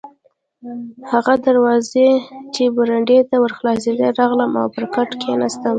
هغه دروازه چې برنډې ته ور خلاصېده، راغلم او پر کټ کښېناستم.